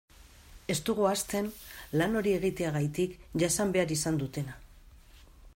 Ez dugu ahazten lan hori egiteagatik jasan behar izan dutena.